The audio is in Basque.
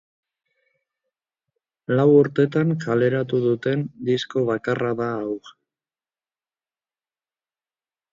Lau urtetan kaleratu duten disko bakarra da hau.